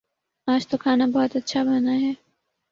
آج تو کھانا بہت اچھا بنا ہے